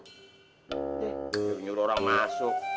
nih jangan nyuruh orang masuk